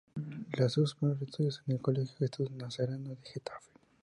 Realizó sus primeros estudios en el colegio Jesús Nazareno de Getafe.